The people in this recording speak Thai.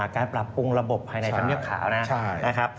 การปรับปรุงระบบภายในชั้นเงียบข่าวนะ